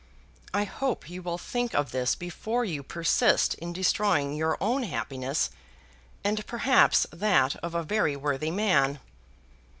I hope you will think of this before you persist in destroying your own happiness and perhaps that of a very worthy man.